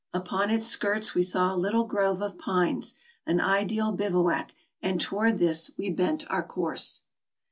Upon its skirts we saw a little grove of pines, an ideal bivouac, and toward this we bent our course.